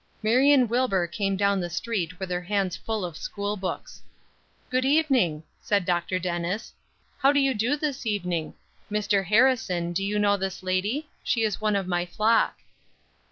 Marion Wilbur came down the street with her hands full of school books. "Good evening," said Dr. Dennis; "How do you do this evening? Mr. Harrison, do you know this lady? She is one of my flock."